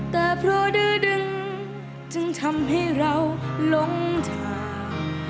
แต่เพราะดื้อดึงจึงทำให้เราลงทาง